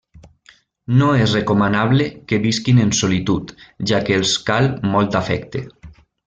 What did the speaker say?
No és recomanable que visquin en solitud, ja que els cal molt d'afecte.